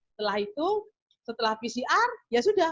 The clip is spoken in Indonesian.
setelah itu setelah pcr ya sudah